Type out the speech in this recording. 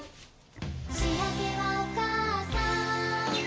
「しあげはおかあさん」